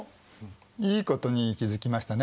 いいことに気付きましたね。